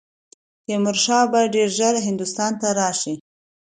تیمور شاه به ډېر ژر هندوستان ته راشي.